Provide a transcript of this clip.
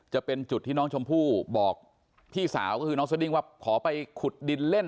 จะเป็นจุดที่น้องชมพู่บอกพี่สาวก็คือน้องสดิ้งว่าขอไปขุดดินเล่น